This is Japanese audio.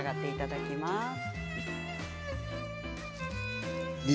いただきます。